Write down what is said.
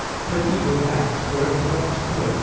But evil acts, for it corrupts good.